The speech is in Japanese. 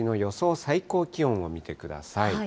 最高気温を見てください。